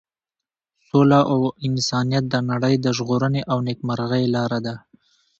سوله او انسانیت د نړۍ د ژغورنې او نیکمرغۍ لاره ده.